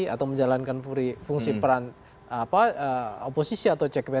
atau menjalankan fungsi peran oposisi atau check balances